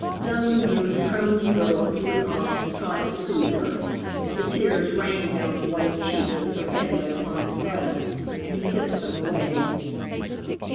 Dunham drew the trembling girl into his arms and tried to soothe her. The tears rained down the white cheeks as her head lay upon his breast, and he kissed them away.